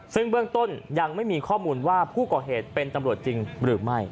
ซึ่งเบื้องต้นยังไม่มีข้อมูลว่าผู้ก่อเหตุเป็นตำรวจจริงหรือไม่